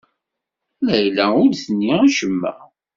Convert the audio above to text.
Layla ur d-tenni acemma.